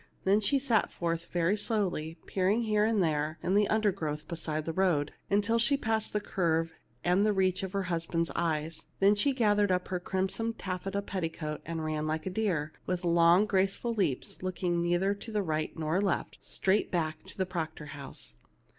Then she set forth very slowly, peering here and there in the undergrowth beside the road, until she passed the curve and the reach of her hus band's eyes. Then she gathered up her crimson taffeta petticoat and ran like a deer, with long graceful leaps, looking neither to right nor left, straight back to the Proctor house.